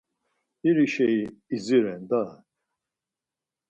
İr şeyi idziren daa...